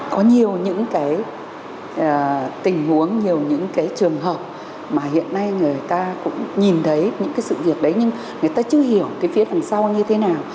có nhiều những cái tình huống nhiều những cái trường hợp mà hiện nay người ta cũng nhìn thấy những cái sự việc đấy nhưng người ta chưa hiểu cái phía đằng sau như thế nào